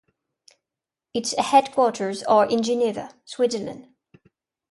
Its headquarters are in Geneva, Switzerland.